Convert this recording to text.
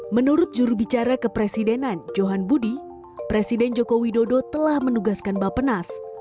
menurut jurubicara kepresidenan johan budi presiden joko widodo telah menugaskan bapenas